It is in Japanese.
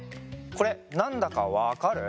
これなんだかわかる？